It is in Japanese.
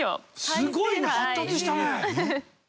すごいね発達したね！